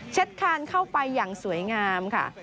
คานเข้าไปอย่างสวยงามค่ะ